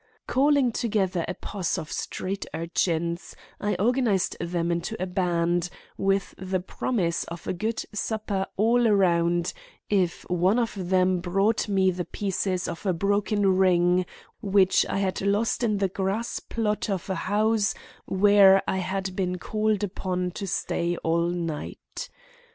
Calling together a posse of street urchins, I organized them into a band, with the promise of a good supper all around if one of them brought me the pieces of a broken ring which I had lost in the grass plot of a house where I had been called upon to stay all night.